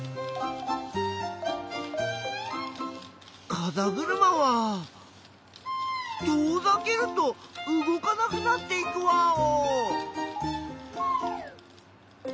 かざぐるまは遠ざけると動かなくなっていくワオ！